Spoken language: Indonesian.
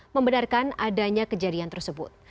membenarkan adanya kejadian tersebut